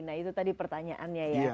nah itu tadi pertanyaannya ya